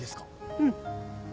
うん。